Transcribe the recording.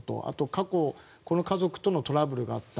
過去、この家族とのトラブルがあった。